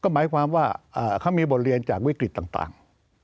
หมายความว่าเขามีบทเรียนจากวิกฤตต่าง